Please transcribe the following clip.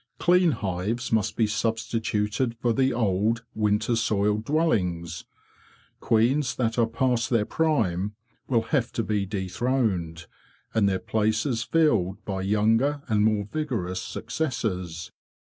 Clean hives must be substituted for the old, winter soiled dwellings. Queens that are past their prime will have to be dethroned, and their places filled by younger and more vigorous successors.